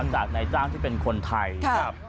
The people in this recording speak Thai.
จากนายจ้างที่เป็นคนไทยครับ